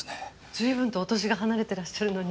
随分とお年が離れてらっしゃるのに。